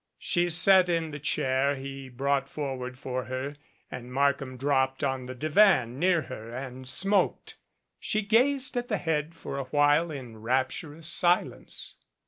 She sat in the chair he brought forward for her and Markham dropped on the divan near her and smoked. She gazed at the head for a while in rapturous silence.